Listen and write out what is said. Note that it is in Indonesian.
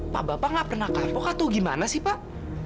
pak bapak nggak pernah kapok atau gimana sih pak